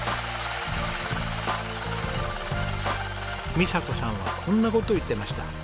美佐子さんはこんな事を言ってました。